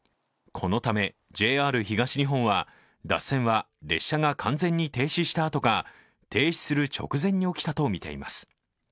このためＪＲ東日本は、脱線は列車が完全に停止したあとか停止する直前に起きたとみています。